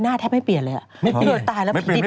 หน้าแทบไม่เปลี่ยนเลยอ่ะอีกนิดหน่อยเกิดตายแล้วผีดิบมากเหรอ